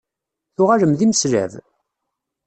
Tuɣalem d imeslab?